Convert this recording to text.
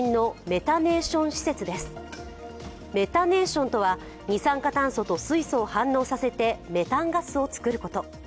メタネーションとは、二酸化炭素と水素を反応させてメタンガスを作ること。